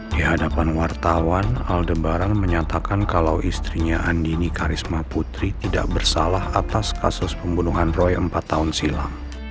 di hadapan wartawan aldebaran menyatakan kalau istrinya andini karisma putri tidak bersalah atas kasus pembunuhan roy empat tahun silam